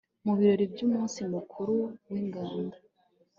mu birori by'umunsi mukuru w'ingando